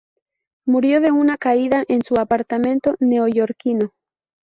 Murió de una caída en su apartamento neoyorquino.